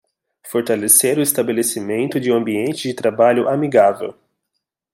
Fortalecer o estabelecimento de um ambiente de trabalho amigável